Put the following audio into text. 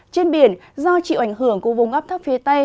trên biển do chịu ảnh hưởng của vùng ấp thấp phía tây